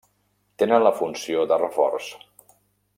Tenen la funció de reforç.